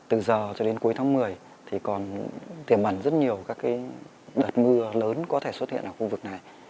từ giờ cho đến cuối tháng một mươi thì còn tiềm ẩn rất nhiều các đợt mưa lớn có thể xuất hiện ở khu vực này